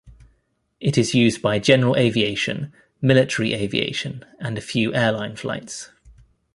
It is used by general aviation, military aviation and a few airline flights.